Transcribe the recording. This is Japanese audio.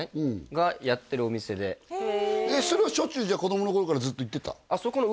がやってるお店でそれはしょっちゅうじゃあ子供の頃からずっと行ってた？